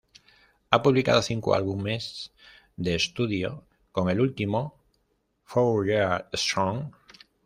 Han publicado cinco álbumes de estudio con el último, Four Year Strong.